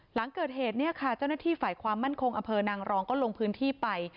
หลังเกิดเหตุเนี่ยค่ะเจ้าหน้าที่ฝ่ายความมั่นคงอำเภอนางรองก็ลงพื้นที่ไป